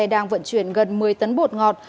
đang vận chuyển gần một mươi tấn bột ngọt